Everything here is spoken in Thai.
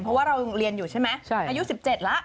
เพราะว่าเราเรียนอยู่ใช่ไหมอายุ๑๗แล้ว